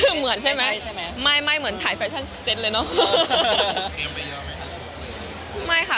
แต่คนมองออกมารู้สึกอะไรมั้ยฟะ